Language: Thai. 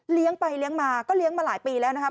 เลี้ยงไปเลี้ยงมาก็เลี้ยงมาหลายปีแล้วนะครับ